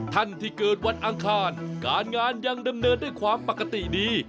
ท่านที่เกิดวันอังคารการงานยังดำเนินด้วยความปกติดี